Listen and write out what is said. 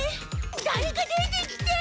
だれか出てきて。